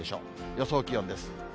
予想気温です。